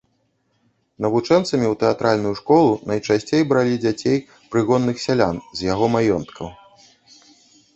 Навучэнцамі ў тэатральную школу найчасцей бралі дзяцей прыгонных сялян з яго маёнткаў.